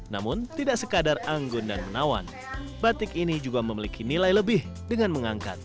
namun tidak sekadar anggun dan menawan batik ini juga memiliki nilai lebih dengan mengangkat